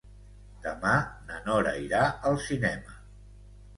Demà na Nora irà al cinema.